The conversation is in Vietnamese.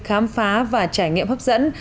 khám phá và trải nghiệm hấp dẫn